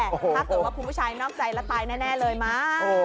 ถ้าเกิดว่าคุณผู้ชายนอกใจแล้วตายแน่เลยมา